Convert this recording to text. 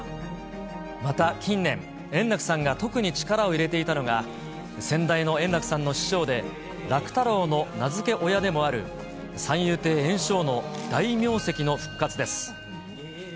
また近年、円楽さんが特に力を入れていたのが、先代の圓楽さんの師匠で、楽太郎の名付け親でもある、三遊亭圓生の大名跡の復活です。